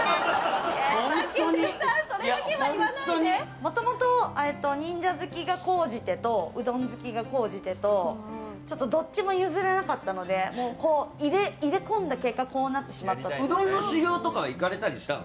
もともと、忍者好きが高じてとうどん好きが高じてとちょっとどっちも譲れなかったので入れ込んだ結果うどんの修業とか行かれたりしたの？